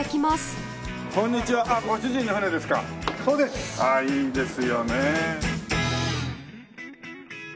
ああいいですよね。